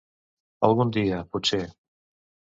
Algun dia, potser.